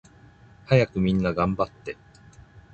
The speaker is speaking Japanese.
はやくみんながんばって